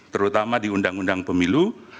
terutama di undang undang pemilu